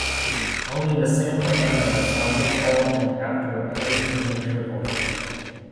Only the "Santa Ana" was salvageable and after repairs resumed her voyage.